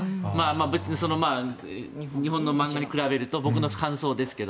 別に日本の漫画に比べると私の感想ですけど。